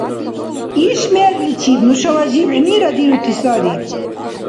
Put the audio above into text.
Иш мерличир нушала жибхӀнира дирути сари.